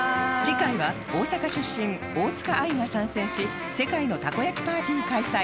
次回は大阪出身大塚愛が参戦し世界のたこ焼きパーティー開催